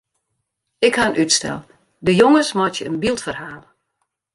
Ik ha in útstel: de jonges meitsje in byldferhaal.